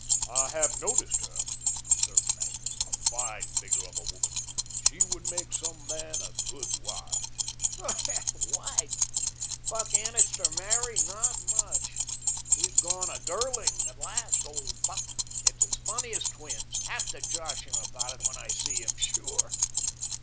"I have noticed her," observed Magnus. "A fine figure of a woman. She would make some man a good wife." "Hoh! Wife! Buck Annixter marry! Not much. He's gone a girling at last, old Buck! It's as funny as twins. Have to josh him about it when I see him, sure."